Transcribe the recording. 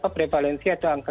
prevalensi atau angka